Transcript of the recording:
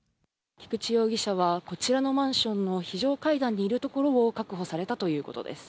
菊池容疑者はこちらのマンションの非常階段にいるところを確保されたということです。